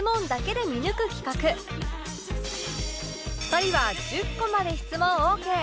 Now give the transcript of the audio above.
２人は１０個まで質問オーケー